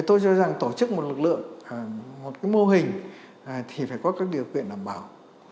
tôi cho rằng tổ chức một lực lượng một mô hình thì phải có các điều kiện đảm bảo